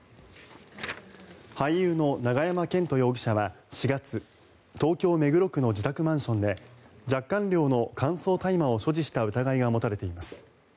俳優の永山絢斗容疑者は４月東京・目黒区の自宅マンションで若干量の乾燥大麻を所持した疑いが持たれています。